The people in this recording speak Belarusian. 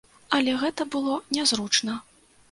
Але гэта было нязручна.